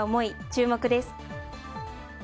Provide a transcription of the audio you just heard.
注目です。